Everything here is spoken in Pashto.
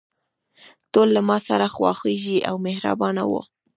ټول له ماسره خواخوږي او مهربانه وو.